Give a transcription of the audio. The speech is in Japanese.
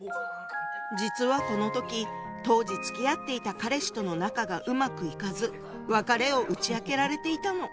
実はこの時当時つきあっていた彼氏との仲がうまくいかず別れを打ち明けられていたの。